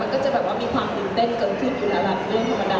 ก็จะมีความตื่นเต้นเกินขึ้นอยู่ระหลังเรื่องธรรมดา